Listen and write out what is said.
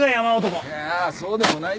いやそうでもないですよ。